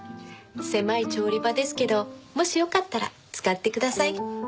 狭い調理場ですけどもしよかったら使ってください。